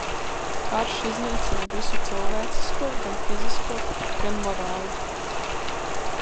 Karš iznīcina visu cilvēcisko gan fiziski, gan morāli.